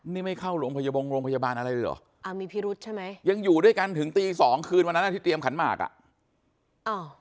นี่ไม่เข้าโรงพยาบาลอะไรหรอยังอยู่ด้วยกันถึงตี๒คืนวันนั้นที่เตรียมขันมากอะ